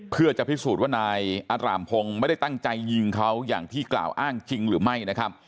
เพื่อจะพิสูจน์ว่านายอารามพงศ์ไม่ได้ตั้งใจยิงเขาอย่างที่กล่าวอ้างจริงหรือไม่นะครับ